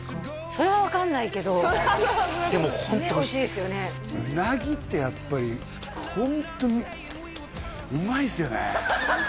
それは分かんないけどでもホントおいしいウナギってやっぱりホントにうまいっすよね